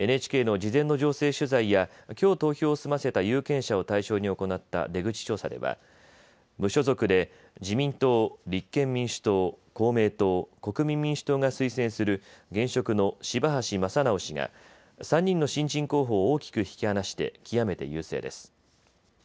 ＮＨＫの事前の情勢取材やきょう投票を済ませた有権者を対象に行った出口調査では無所属で自民党、立憲民主党、公明党、国民民主党が推薦する現職の柴橋正直氏が３人の新人候補を大きく引き離して極めて優勢です。